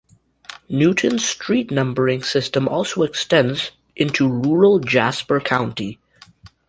Newton's street numbering system also extends into rural Jasper County.